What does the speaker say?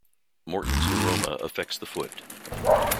Morton's neuroma affects the foot.